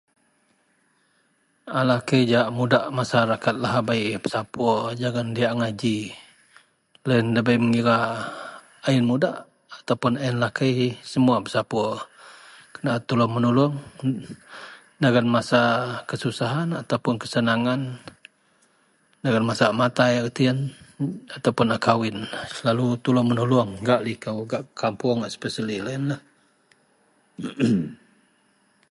alakei jahak a mudak masyarakat lahabei pesapur dagen diak agai ji, loyien dabei mengira a ien mudakah ataupun a ien lakei semua pesapur, kena tulung menulung dagen masa kesusahan ataupun kesenangan dagen masa a matai reti ien ataupun a kawin selalu tulung menulung gak liko gak kapoung gak spesili lau ienlah em em